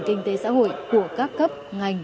kinh tế xã hội của các cấp ngành